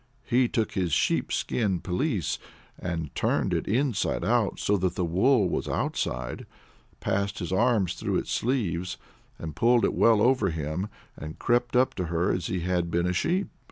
He took his sheep skin pelisse and turned it inside out so that the wool was outside, passed his arms through its sleeves, and pulled it well over him, and crept up to her as he had been a sheep.